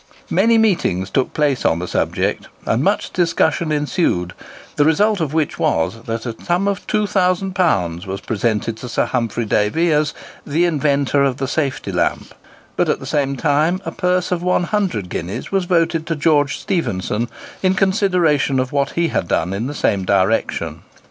Many meetings took place on the subject, and much discussion ensued, the result of which was that a sum of £2000 was presented to Sir Humphry Davy as "the inventor of the safety lamp;" but, at the same time, a purse of 100 guineas was voted to George Stephenson, in consideration of what he had done in the same direction.